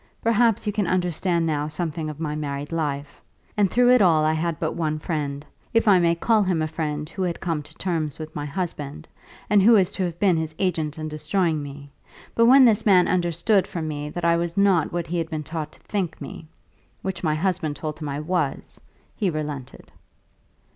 Perhaps you can understand now something of my married life. And through it all I had but one friend; if I may call him a friend who had come to terms with my husband, and was to have been his agent in destroying me. But when this man understood from me that I was not what he had been taught to think me, which my husband had told him I was, he relented."